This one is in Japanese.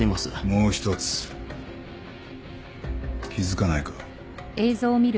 もう一つ気付かないか？